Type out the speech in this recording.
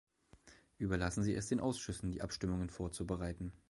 Überlassen Sie es den Ausschüssen, die Abstimmungen vorzubereiten.